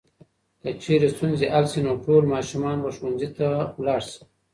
که چېرې ستونزې حل شي نو ټول ماشومان به ښوونځي ته لاړ شي.